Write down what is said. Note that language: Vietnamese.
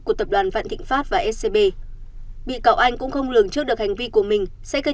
của tập đoàn vạn thịnh pháp và scb bị cáo anh cũng không lường trước được hành vi của mình sẽ gây